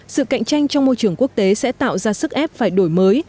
sự cạnh tranh trong môi trường quốc tế sẽ tạo ra sức ép phải đổi mới